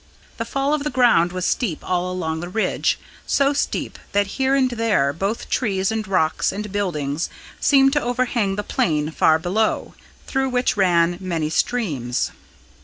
The fall of the ground was steep all along the ridge, so steep that here and there both trees and rocks and buildings seemed to overhang the plain far below, through which ran many streams.